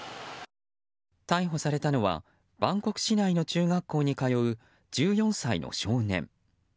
逮捕されたのはバンコク市内の中学校に通う１４歳の少年。